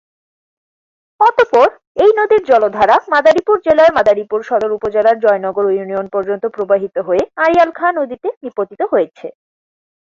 অতঃপর এই নদীর জলধারা মাদারীপুর জেলার মাদারীপুর সদর উপজেলার জয়নগর ইউনিয়ন পর্যন্ত প্রবাহিত হয়ে আড়িয়াল খাঁ নদীতে নিপতিত হয়েছে।